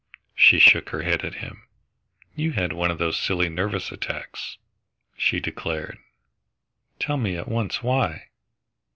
She shook her head at him. "You've had one of those silly nervous attacks," she declared. "Tell me at once why?"